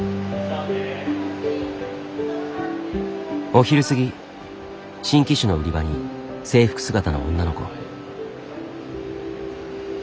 お昼過ぎ新機種の売り場に制服姿の女の子。